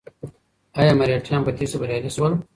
ایا مرهټیان په تېښته بریالي شول؟